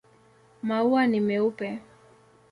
Maua ni meupe.